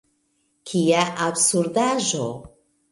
Kia absurdaĵo!